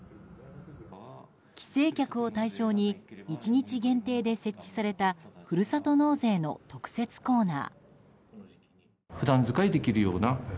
帰省客を対象に１日限定で設置されたふるさと納税の特設コーナー。